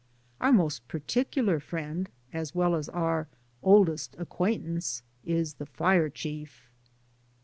Our most particular friend, as well as our oldest acquaintance, is the fire chief.